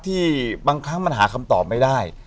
บางครั้งมันหาคำตอบไม่ได้